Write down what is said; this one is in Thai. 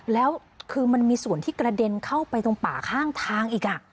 แล้วคือมันมีส่วนที่กระเด็นเข้าไปตรงป่าข้างทางอีก